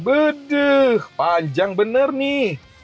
beduh panjang bener nih